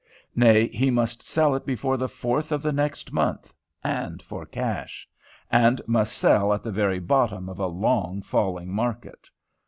Nay! he must sell it before the fourth of the next month, and for cash; and must sell at the very bottom of a long falling market!